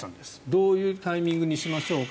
どういうタイミングにしましょうか。